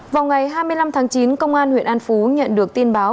vào ngày hai mươi năm tháng chín công an huyện an phú nhận được tin báo